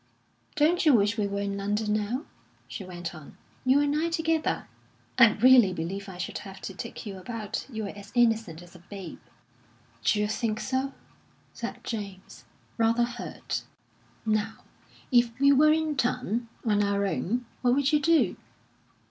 "Don't you wish we were in London now?" she went on. "You and I together? I really believe I should have to take you about. You're as innocent as a babe." "D'you think so?" said James, rather hurt. "Now, if we were in town, on our own, what would you do?"